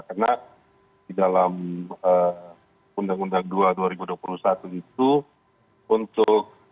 karena di dalam undang undang dua ribu dua puluh satu itu